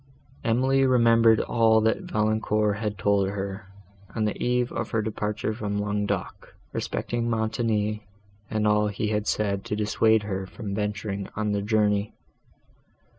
Emily remembered all that Valancourt had told her, on the eve of her departure from Languedoc, respecting Montoni, and all that he had said to dissuade her from venturing on the journey.